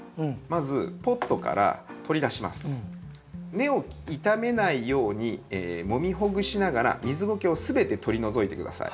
根を傷めないようにもみほぐしながら水ゴケをすべて取り除いてください。